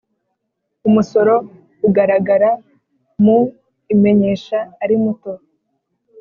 umusoro ugaragara mu imenyesha ari muto